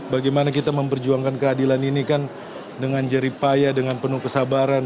bagaimana kita memperjuangkan keadilan ini kan dengan jeripaya dengan penuh kesabaran